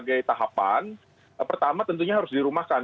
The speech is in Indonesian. sebagai tahapan pertama tentunya harus dirumahkan